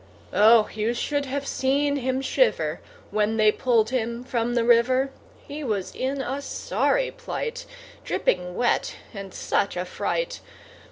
Oh! you should have seen him shiver When they pulled him from the river. He was in a sorry plight! Dripping wet, and such a fright!